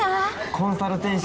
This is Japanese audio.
コンサル天使